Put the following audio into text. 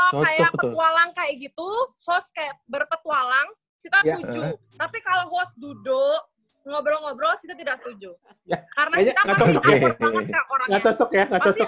kalau kayak petualang kayak gitu host kayak berpetualang sita setuju tapi kalau host duduk ngobrol ngobrol sita tidak setuju